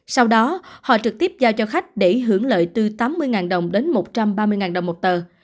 sau đó họ trực tiếp giao cho khách để hưởng lợi từ tám mươi đồng đến một trăm ba mươi đồng một tờ